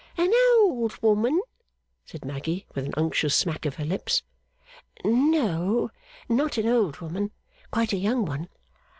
'An old woman,' said Maggy, with an unctuous smack of her lips. 'No, not an old woman. Quite a young one.